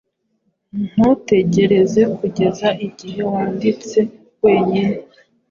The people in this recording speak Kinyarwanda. Ntutegereze kugeza igihe wanditse wenyine.